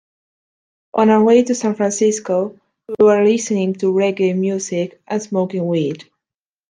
On our way to San Francisco, we were listening to reggae music and smoking weed.